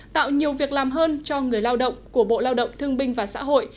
tạo nhiều việc làm hơn cho người lao động của bộ lao động thương binh và xã hội